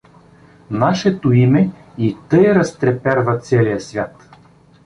— Нашето име и тъй разтреперва целия свят.